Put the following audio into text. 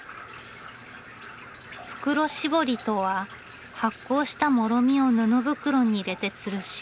袋しぼりとは発酵したモロミを布袋に入れてつるし